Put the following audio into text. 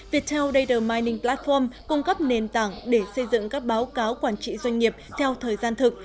viettel data mining platform cung cấp nền tảng để xây dựng các báo cáo quản trị doanh nghiệp theo thời gian thực